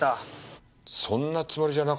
そんなつもりじゃなかった？